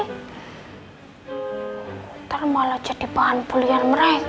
ntar malah jadi bahan pulian mereka